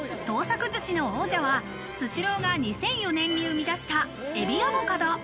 創作寿司の王者はスシローが２００４年に生み出したえびアボカド。